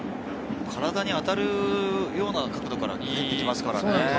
体に当たるような角度で入ってきますからね。